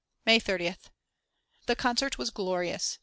May 30th. The concert was glorious.